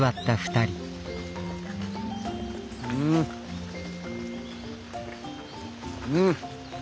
うんうん！